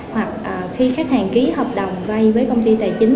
hoặc khi khách hàng ký hợp đồng vay với công ty tài chính